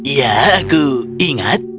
ya aku ingat